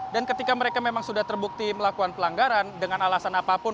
dan ketika mereka memang sudah terbukti melakukan pelanggaran dengan alasan apapun